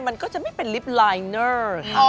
มันก็จะไม่เป็นลิฟต์ลายเนอร์